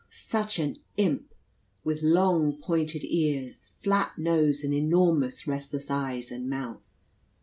Such an imp! with long pointed ears, flat nose, and enormous restless eyes and mouth.